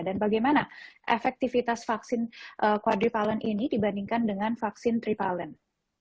dan bagaimana efektivitas vaksin quadrivalent ini dibandingkan dengan vaksin trivalent